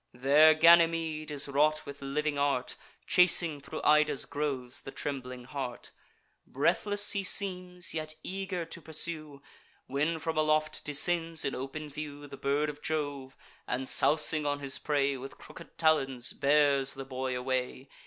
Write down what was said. There Ganymede is wrought with living art, Chasing thro' Ida's groves the trembling hart: Breathless he seems, yet eager to pursue; When from aloft descends, in open view, The bird of Jove, and, sousing on his prey, With crooked talons bears the boy away.